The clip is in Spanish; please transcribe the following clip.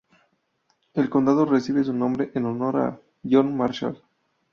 El condado recibe su nombre en honor a John Marshall.